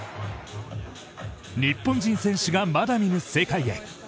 日本人選手がまだ見ぬ世界へ。